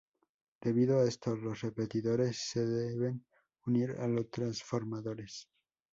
Debido a esto, los repetidores se deben unir a los transformadores.